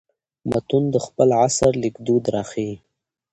متون د خپل عصر لیکدود راښيي.